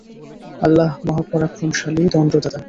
আল্লাহ্ মহাপরাক্রমশালী দণ্ডদাতা।